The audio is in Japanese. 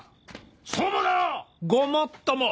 そう思うだろ⁉ごもっとも。